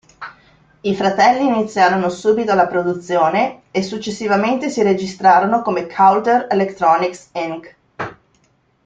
I fratelli iniziarono subito la produzione, e successivamente si registrarono come "Coulter Electronics, Inc.